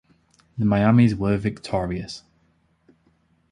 The Miamis were victorious.